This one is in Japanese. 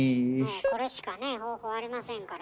これしかね方法ありませんから。